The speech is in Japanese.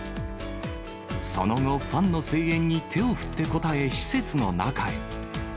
その後、ファンの声援に手を振って応え、施設の中へ。